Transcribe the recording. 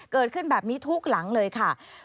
เกิดขึ้นแบบนี้ทุกหลังเลยค่ะ